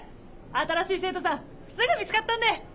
新しい生徒さんすぐ見つかったんで！